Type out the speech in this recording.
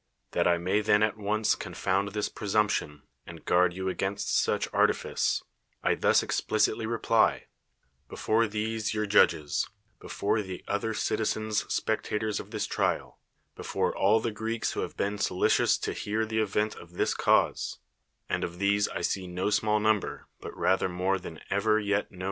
That I may then at once confound this presumption, and guard you against such artifice, I thus ex plicitly reply : Before these your judges, before the other citizens spectators of this trial, before all the Greeks who have been solicitous to hear the event of this cause (and of these I see no small number, but rather miore than ever yet knov.